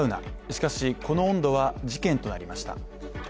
しかし、この温度は事件となりました。